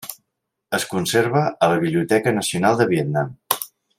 Es conserva a la Biblioteca Nacional de Vietnam.